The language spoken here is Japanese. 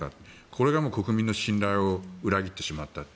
これが国民の信頼を裏切ってしまったと。